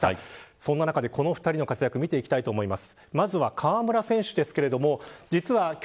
そんな中で、この２人の活躍見ていきたいと思います。